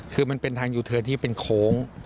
คือมันเป็นทางยูเทิร์นที่เป็นโค้ง